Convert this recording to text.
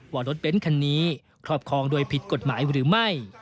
ว่ารถเบ้นคันนี้ครอบครองโดยผิดกฎหมายหรือไม่